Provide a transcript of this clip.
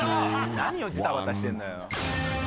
何をジタバタしてんだよ。